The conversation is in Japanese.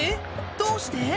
どうして？